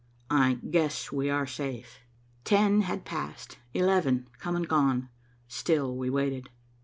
"I guess we are safe." Ten had passed, eleven come and gone, still we waited.